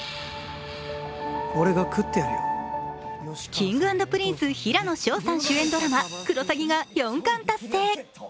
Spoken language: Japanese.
Ｋｉｎｇ＆Ｐｒｉｎｃｅ、平野紫耀さん主演ドラマ「クロサギ」が４冠達成。